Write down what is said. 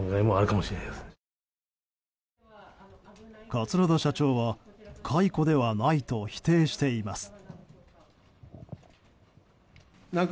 桂田社長は、解雇ではないと否定しています。